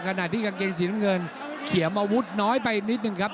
ขณะที่กางเกงสีน้ำเงินเขียนอาวุธน้อยไปนิดนึงครับ